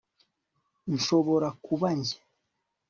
Nshobora kuba njye